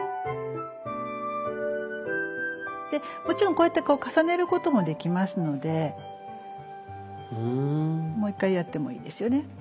もちろんこうやって重ねることもできますのでもう一回やってもいいですよね。